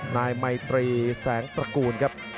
นายไมตรีแสงตระกูลครับ